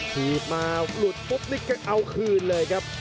ถีบมาหลุดปุ๊บนี่ก็เอาคืนเลยครับ